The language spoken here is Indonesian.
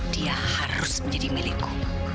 dia harus menjadi milikku